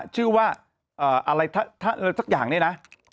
ชื่อว่าอะไรสักอย่างเนี่ยนะ